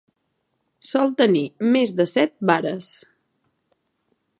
Sol tenir més de set vares.